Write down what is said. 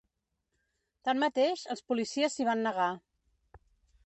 Tanmateix, els policies s’hi van negar.